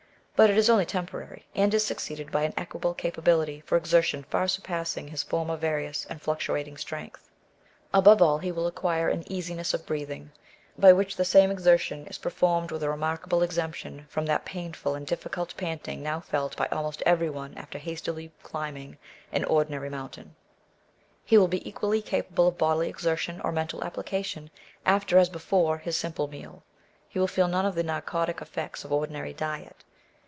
But it is only temporary, and is succeeded by an equable capability for exertion far surpassing his former various andHuctuating strength. Above all, he will acquire \^ an ea giness of br eathingjby which the same exertion is per formed with a remaiiame exemption from that painful and difficult panting now felt by almost every one after hastily climbing an ordinary mountain. He will be equally capable of bodily exertion or mental application after as before his simple meal. He will feel none of the narcotic effects of ordinary diet.